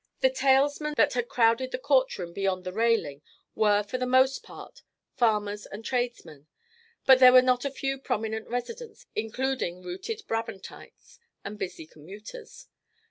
The talesmen that had crowded the courtroom beyond the railing were for the most part farmers and tradesmen, but there were not a few "prominent residents," including rooted Brabantites and busy commuters.